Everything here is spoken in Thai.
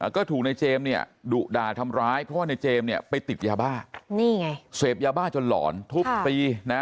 ก็ถูกในเจมส์ดุด่าทำร้ายเพราะในเจมส์ไปติดยาบ้าเสพยาบ้าจนหล่อนทุบปี